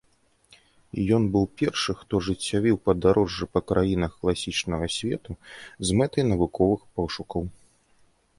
Ён быў першы, хто ажыццявіў падарожжы па краінах класічнага свету з мэтай навуковых пошукаў.